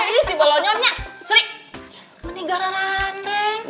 ini si balonyonnya seri menigara randeng